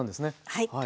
はい。